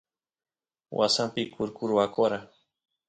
wasampi kurku rwakora